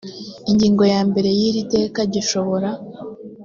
ingingo ya mbere y iri teka gishobora